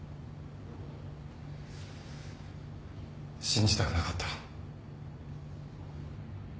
信じたくなかった。